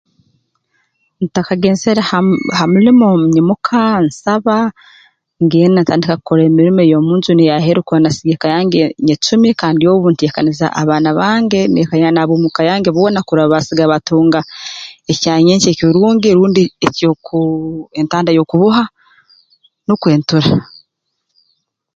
Ntakagenzere ha mu ha mulimo nyimuka nsaba ngenda ntandika kukora emirimo ey'omunju n'ey'aheeru kurora nasiga eka yange nyecumi kandi obu nteekaniza abaana bange n'eka n'abomu ka yange boona kurora basiga baatunga ekya nyenkya ekirungi rundi eky'okuu entanda y'okuboha nukwe ntura